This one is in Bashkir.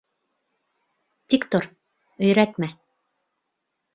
Тик тор, өйрәтмә.